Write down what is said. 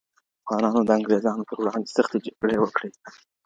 افغانانو د انګرېزانو پر وړاندي سختي جګړي وکړي.